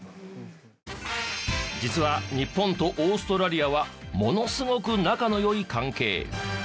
実は日本とオーストラリアはものすごく仲の良い関係。